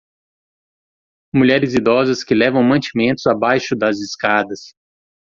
Mulheres idosas que levam mantimentos abaixo das escadas.